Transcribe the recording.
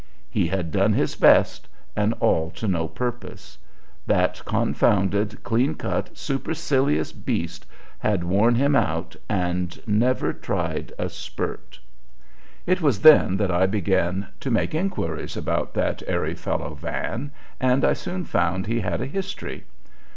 He had done his best, and all to no purpose. That confounded clean cut, supercilious beast had worn him out and never tried a spurt. It was then that I began to make inquiries about that airy fellow Van, and I soon found he had a history.